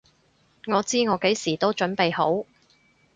我知我幾時都準備好！